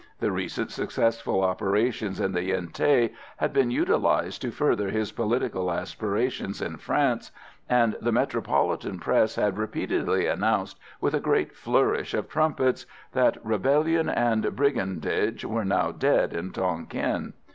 The recent successful operations in the Yen Thé had been utilised to further his political aspirations in France, and the metropolitan press had repeatedly announced, with a great flourish of trumpets, that rebellion and brigandage were now dead in Tonquin.